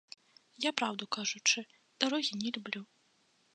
Я, праўду кажучы, дарогі не люблю.